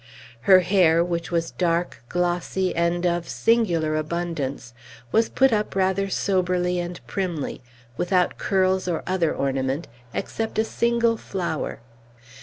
Her hair, which was dark, glossy, and of singular abundance, was put up rather soberly and primly without curls, or other ornament, except a single flower.